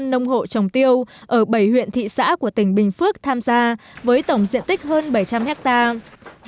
một sáu trăm linh nông hộ trồng tiêu ở bảy huyện thị xã của tỉnh bình phước tham gia với tổng diện tích hơn bảy trăm linh hectare